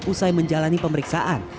usai menjalani pemeriksaan